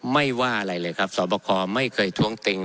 ไม่ว่าอะไรเลยครับสอบคอไม่เคยท้วงติง